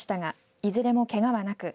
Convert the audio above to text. いずれもけがはなく